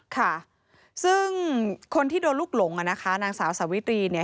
ค่ะซึ่งคนที่โดนลูกหลงนางสาวสาวิตรี